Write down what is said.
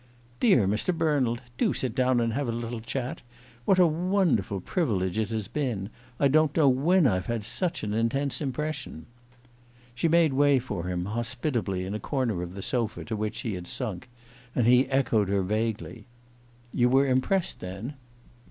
"Dear Mr. Bernald! Do sit down and have a little chat. What a wonderful privilege it has been! I don't know when I've had such an intense impression." She made way for him, hospitably, in a corner of the sofa to which she had sunk; and he echoed her vaguely: "You were impressed, then?"